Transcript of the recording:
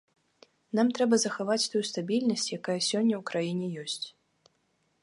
Нам трэба захаваць тую стабільнасць, якая сёння ў краіне ёсць.